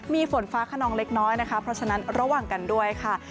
มีฝนฟ้าขนองเล็กน้อยนะคะเพราะฉะนั้นระวังกันด้วยค่ะ